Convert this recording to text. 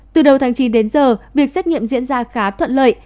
từ đầu tháng chín đến giờ việc xét nghiệm diễn ra khá thuận lợi